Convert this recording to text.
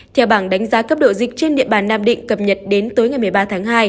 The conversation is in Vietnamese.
theo bảng đánh giá cấp độ dịch trên địa bàn nam định cập nhật đến tối ngày một mươi ba tháng hai